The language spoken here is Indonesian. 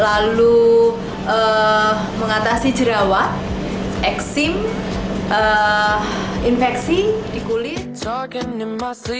lalu mengatasi jerawat eksim infeksi di kulit